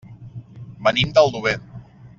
Venim d'Aldover.